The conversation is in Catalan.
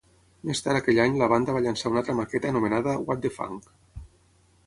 Més tard aquell any la banda va llançar una altra maqueta anomenada "What the Funk".